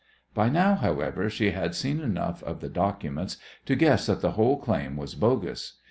By now, however, she had seen enough of the documents to guess that the whole claim was bogus.